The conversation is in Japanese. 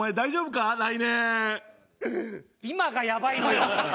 今がやばいんだよ。